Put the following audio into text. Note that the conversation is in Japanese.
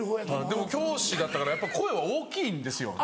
でも教師だったからやっぱ声は大きいんですよ。